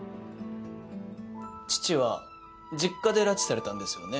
父は実家で拉致されたんですよね？